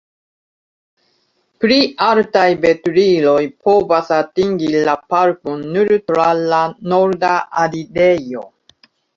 Pli altaj veturiloj povas atingi la parkon nur tra la norda alirejo.